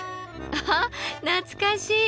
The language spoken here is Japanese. あ懐かしい。